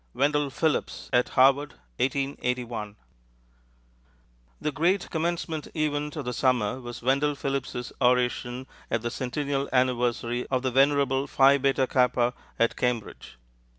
WENDELL PHILLIPS AT HARVARD. 1881. The great Commencement event of the Summer was Wendell Phillips's oration at the centennial anniversary of the venerable Phi Beta Kappa at Cambridge.